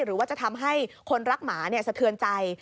หรือว่าจะทำให้คนรักหมาสะเทือนใจ